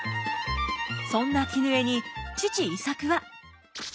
そんな絹枝に父猪作は。